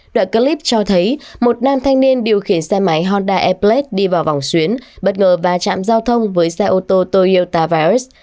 đoạn clip cho thấy một nam thanh niên điều khiển xe máy honda airbled đi vào vòng xuyến bất ngờ va chạm giao thông với xe ô tô toyota vios